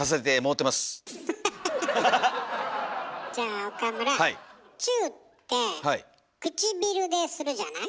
じゃあ岡村チューってくちびるでするじゃない？